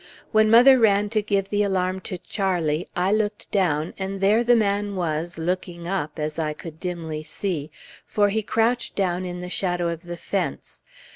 When mother ran to give the alarm to Charlie, I looked down, and there the man was, looking up, as I could dimly see, for he crouched down in the shadow of the fence.